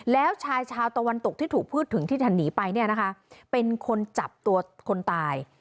แล้วชายชาวตะวันตกที่ถูกพูดถึงที่ฉันหนีไปเนี่ยนะคะเป็นคนจับตัวคนตาย